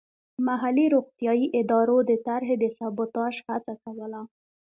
محلي روغتیايي ادارو د طرحې د سبوتاژ هڅه کوله.